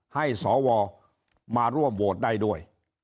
ให้สวมาร่วมโหวตได้ด้วย